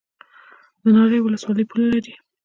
د ناری ولسوالۍ پوله لري